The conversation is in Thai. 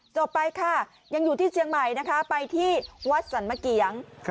จบไปค่ะยังอยู่ที่เชียงใหม่นะคะไปที่วัดสรรมะเกียง